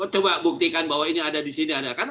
coba buktikan bahwa ini ada di sini ada kan